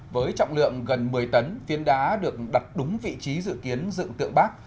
với trọng lượng gần một mươi tấn phiến đá được đặt đúng vị trí dự kiến dựng tượng bắc